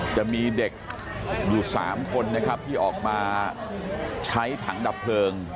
จะมีเด็กอยู่๓คนนะครับที่ออกมาใช้ถังดับเพลิง